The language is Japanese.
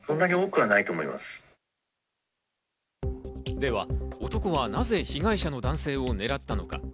では男はなぜ被害者の男性を狙ったのか？